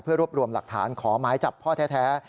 รวบรวมหลักฐานขอหมายจับพ่อแท้